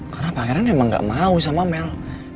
karena pangeran emang gak mau sama mel